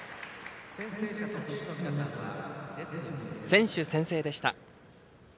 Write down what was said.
選手宣誓でした。